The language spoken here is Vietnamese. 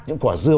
những quả dưa